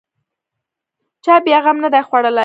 چا بیا غم نه دی خوړلی.